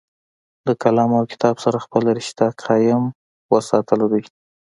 د قلم او کتاب سره خپله رشته قائم اوساتله دوي